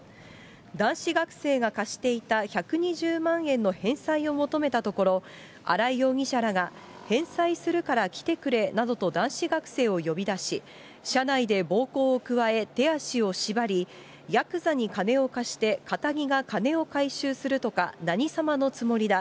男子学生が貸していた１２０万円の返済を求めたところ、荒井容疑者らが返済するから来てくれなどと男子学生を呼び出し、車内で暴行を加え、手足を縛り、やくざに金を貸してかたぎが金を回収するとか、何様のつもりだ。